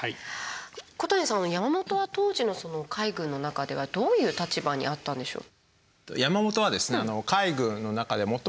小谷さんは山本は当時の海軍の中ではどういう立場にあったんでしょう？